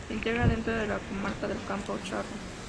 Se integra dentro de la comarca del Campo Charro.